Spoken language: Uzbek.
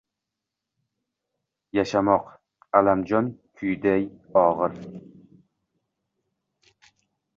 Yashamoq «Аlamjon» kuyiday ogʼir.